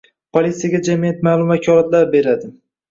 Politsiyaga jamiyat maʼlum vakolatlar beradi